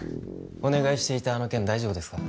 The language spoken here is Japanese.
お願いしていたあの件大丈夫ですか？